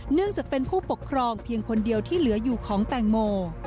เนื่องจากเป็นผู้ปกครองเพียงคนเดียวที่เหลืออยู่ของแตงโม